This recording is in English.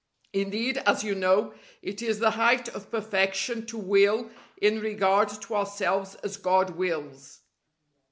Indeed, as you know, it is the height of perfection to will in regard to ourselves as God wills.